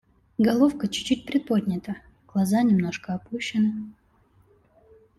Головка чуть-чуть приподнята, глаза немножко опущены.